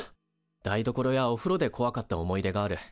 台所やおふろでこわかった思い出がある。